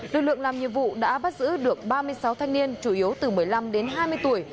lực lượng làm nhiệm vụ đã bắt giữ được ba mươi sáu thanh niên chủ yếu từ một mươi năm đến hai mươi tuổi